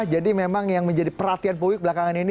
jadi memang yang menjadi perhatian publik belakangan ini